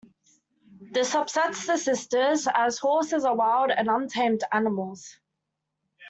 This upsets the sisters, as horses are wild and untamed animals.